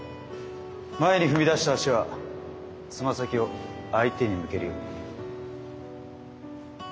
前に踏み出した足は爪先を相手に向けるように。